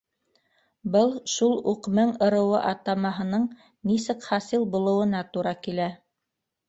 Был шул уҡ мең ырыуы атамаһының нисек хасил булыуына тура килә.